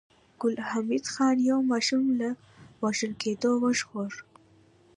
ګل حمید خان يو ماشوم له وژل کېدو وژغوره